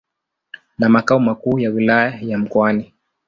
na makao makuu ya Wilaya ya Mkoani.